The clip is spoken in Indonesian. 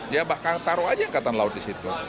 ya bahkan taruh aja angkatan laut di situ